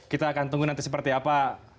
kita akan tunggu nanti seperti apa